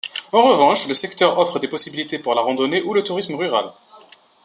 En revanche, le secteur offre des possibilités pour la randonnée ou le tourisme rural.